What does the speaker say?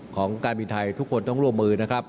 การบินไทยทุกคนต้องร่วมมือนะครับ